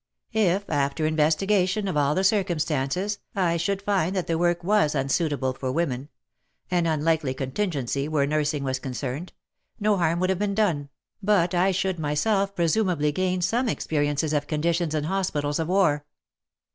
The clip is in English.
If, after investigation of all the circumstances, I should find that the work was unsuitable for women — an unlikely contingency where nursing was concerned — no harm would have been done, but I should myself presumably gain some experiences of conditions in hospitals of war.